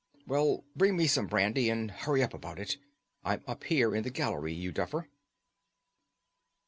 "Well, bring me some brandy, and hurry up about it. I'm up here in the gallery, you duffer."